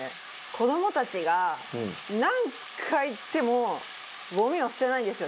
子どもたちが何回言ってもゴミを捨てないんですよ